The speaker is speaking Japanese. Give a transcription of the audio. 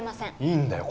いいんだよ。